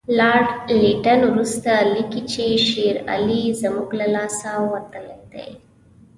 لارډ لیټن وروسته لیکي چې شېر علي زموږ له لاسه وتلی دی.